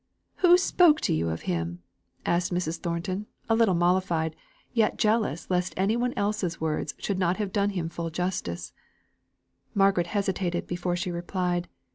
"Who spoke to you of him?" asked Mrs. Thornton, a little mollified, yet jealous lest any one else's words should not have done him full justice. Margaret hesitated before she replied.